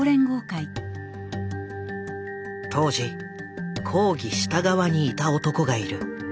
当時抗議した側にいた男がいる。